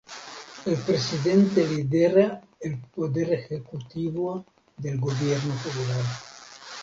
El presidente lidera el poder ejecutivo del Gobierno federal.